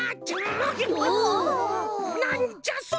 なんじゃそりゃ！？